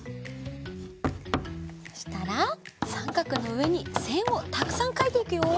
そしたらさんかくのうえにせんをたくさんかいていくよ。